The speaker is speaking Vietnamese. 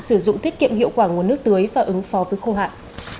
sử dụng tiết kiệm hiệu quả nguồn nước tưới và ứng phó với khô hạn